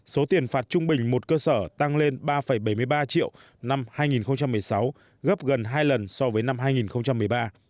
số tiền phạt trung bình một cơ sở tăng lên ba bảy mươi ba triệu năm hai nghìn một mươi sáu gấp gần hai lần so với năm hai nghìn một mươi ba